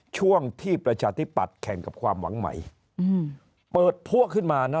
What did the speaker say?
ช่วงที่ประชาธิปัตย์แข่งกับความหวังใหม่อืมเปิดพวกขึ้นมานะ